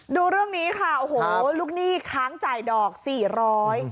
ดูเรื่องนี้ค่ะโอ้โหลูกหนี้ค้างจ่ายดอกสี่ร้อย